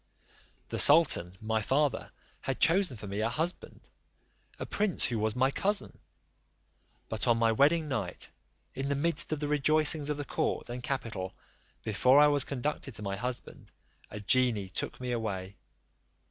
"The sultan, my father, had chosen for me a husband, a prince who was my cousin; but on my wedding night, in the midst of the rejoicings of the court and capital, before I was conducted to my husband, a genie took me away.